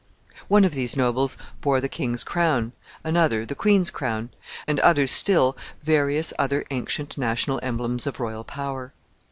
One of these nobles bore the king's crown, another the queen's crown, and others still various other ancient national emblems of royal power.